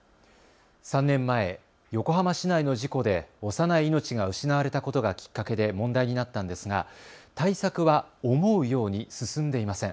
３年前、横浜市内の事故で幼い命が失われたことがきっかけで問題になったんですが対策は思うように進んでいません。